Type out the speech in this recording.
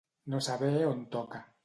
No saber on toca.